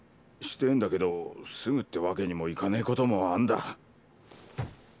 してえんだけどすぐってわけにもいかねえ事もあんだ。